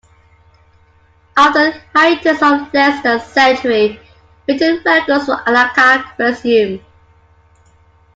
After a hiatus of less than a century, written records for Alalakh resume.